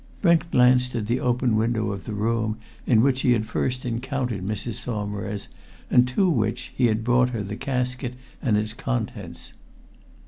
Brent glanced at the open window of the room in which he had first encountered Mrs. Saumarez and to which he had brought her the casket and its contents.